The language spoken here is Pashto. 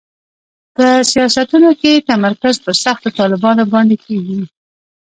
په سیاستونو کې تمرکز پر سختو طالبانو باندې کېږي.